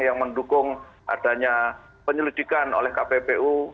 yang mendukung adanya penyelidikan oleh kppu